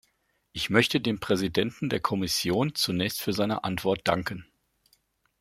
Ich möchte dem Präsidenten der Kommission zunächst für seine Antwort danken.